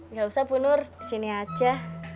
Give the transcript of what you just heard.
nggak usah bu nur disini aja